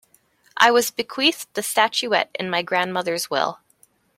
I was bequeathed the statuette in my grandmother's will.